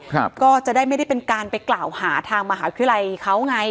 ก็จะได้ไม่ได้เป็นการไปกล่าวหาทางมหาวิทยาลัยเขาไง